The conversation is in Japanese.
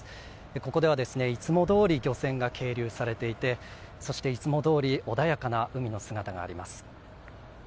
ここでは、いつもどおり漁船が係留されていてそして、いつもどおり穏やかな海の姿があります。